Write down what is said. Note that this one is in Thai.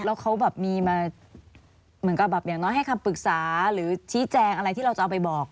แล้วเขาแบบมีมาเหมือนกับแบบอย่างน้อยให้คำปรึกษาหรือชี้แจงอะไรที่เราจะเอาไปบอก